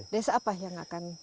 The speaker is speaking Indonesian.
desa apa yang akan kita kunjungi